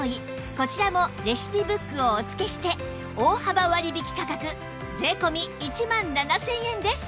こちらもレシピブックをお付けして大幅割引価格税込１万７０００円です